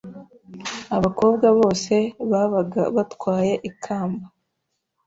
abakobwa bose babaga batwaye ikamba